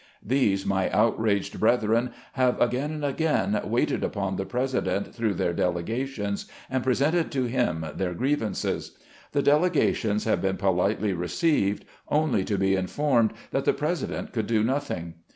These, my outraged brethren, have again and again waited upon the President through their delegations, and presented to him their grievances. The delegations RETROSPECT. 133 have been politely received, only to be informed that the President could do nothing.